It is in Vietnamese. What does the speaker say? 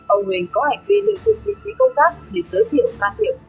ông huỳnh có hành vi lựa dựng địa chỉ công tác để giới thiệu phát hiểm